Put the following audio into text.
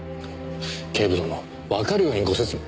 警部殿わかるようにご説明。